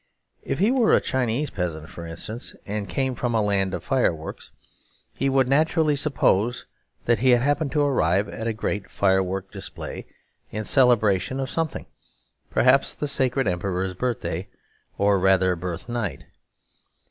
If he were a Chinese peasant, for instance, and came from a land of fireworks, he would naturally suppose that he had happened to arrive at a great firework display in celebration of something; perhaps the Sacred Emperor's birthday, or rather birthnight.